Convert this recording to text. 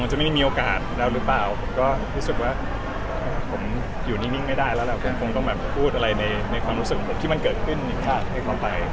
สมมุตินะอันนทีคิดว่าจะไปกับอีกคนนึง